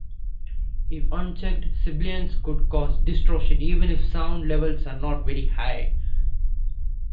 If unchecked, sibilance could cause distortion even if sound levels are not very high.